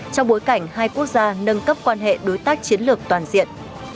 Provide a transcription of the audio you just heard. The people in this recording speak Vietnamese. trong bối cảnh hai quốc gia nâng cấp quan hệ đối tác chiến lược toàn diện